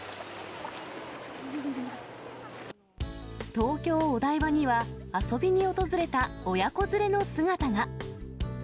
東京・お台場には、遊びに訪れた親子連れの姿が。